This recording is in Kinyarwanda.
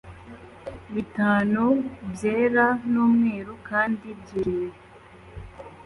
Bitanu byera n'umweru kandi byijimye